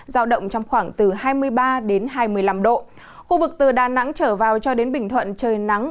giao động trong khoảng từ hai mươi ba đến hai mươi năm độ khu vực từ đà nẵng trở vào cho đến bình thuận trời nắng